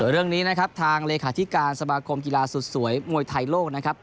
เรื่องนี้นะครับทางเลขาธิการสมาคมกีฬาสุดสวยมวยไทยโลกนะครับ